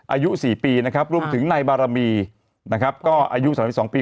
อายุ๔ปีนะครับรวมถึงนายบารมีนะครับก็อายุ๓๒ปี